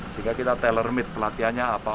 sehingga kita tailor made pelatihannya apa